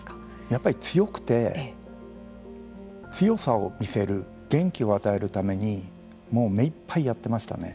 やっぱり強くて強さを見せる元気を与えるためにもう目いっぱいやってましたね。